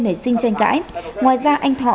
nảy sinh tranh cãi ngoài ra anh thọ